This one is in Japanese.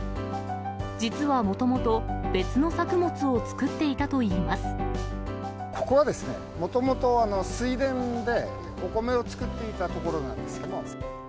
実はもともと、ここはですね、もともと水田で、お米を作っていたところなんですけれども。